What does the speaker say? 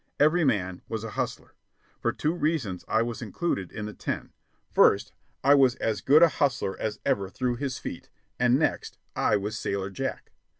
Every man was a hustler. For two reasons I was included in the ten. First, I was as good a hustler as ever "threw his feet," and next, I was "Sailor Jack."